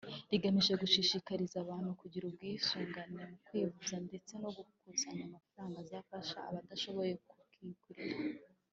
rigamije gushishikariza abantu kugira ubwisungane mu kwivuza ndetse no gukusanya amafaranga azafasha abadashoboye kubwigurira